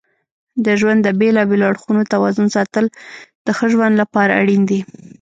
د ژوند د بیلابیلو اړخونو توازن ساتل د ښه ژوند لپاره اړین دي.